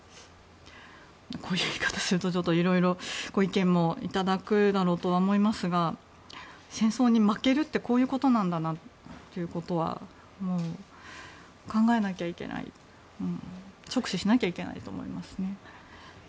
こういう言い方するといろいろ、ご意見もいただくだろうとは思いますが戦争に負けるってこういうことなんだなということは考えなきゃいけない直視しなきゃいけないと思いますね。